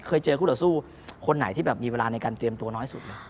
เจอคู่ต่อสู้คนไหนที่แบบมีเวลาในการเตรียมตัวน้อยสุดเลย